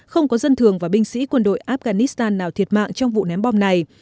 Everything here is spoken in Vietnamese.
không có dân thường và binh sĩ quân đội afghanistan nào thiệt mạng trong vụ ném bom này